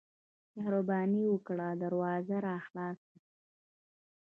مهرباني وکړه دروازه راخلاصه کړه.